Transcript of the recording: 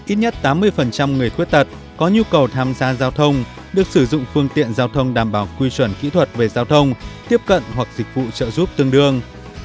ít nhất tám mươi người khuyết tật có nhu cầu tham gia giao thông được sử dụng phương tiện giao thông đảm bảo quy chuẩn kỹ thuật về giao thông tiếp cận hoặc dịch vụ trợ giúp tương đương